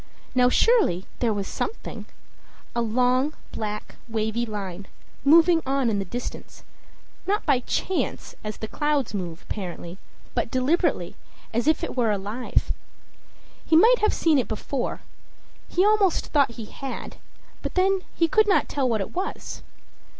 Now surely there was something. A long, black, wavy line, moving on in the distance, not by chance, as the clouds move apparently, but deliberately, as if it were alive. He might have seen it before he almost thought he had; but then he could not tell what it was.